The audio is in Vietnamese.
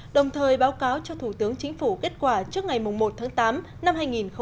đồng thời báo cáo cho thủ tướng chính phủ kết quả trước ngày một tháng tám năm hai nghìn hai mươi